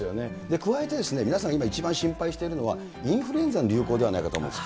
加えて、皆さん今、一番心配しているのはインフルエンザの流行ではないかと思うんです。